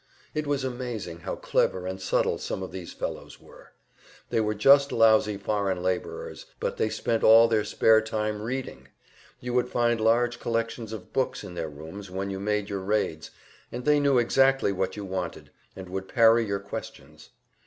It was amazing how clever and subtle some of these fellows were. They were just lousy foreign laborers, but they spent all their spare time reading; you would find large collections of books in their rooms when you made your raids, and they knew exactly what you wanted, and would parry your questions.